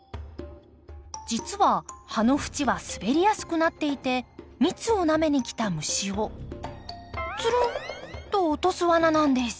実は葉の縁は滑りやすくなっていて蜜をなめに来た虫をツルンと落とすワナなんです。